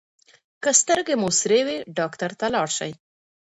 که سترګې مو سرې وي ډاکټر ته لاړ شئ.